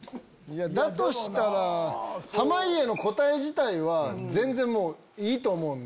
だとしたら濱家の答え自体は全然いいと思うんで。